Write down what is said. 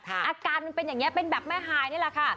อาการเป็นอย่างเงี้ยแบบแม่ฮายนี่แหล่ะค่ะ